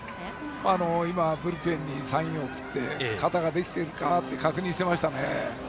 今、ブルペンにサインを送って肩ができているかと確認していましたね。